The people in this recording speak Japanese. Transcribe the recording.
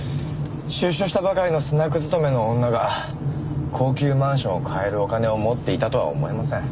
出所したばかりのスナック勤めの女が高級マンションを買えるお金を持っていたとは思えません。